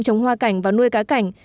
chống hoa cảnh và nuôi cá cảnh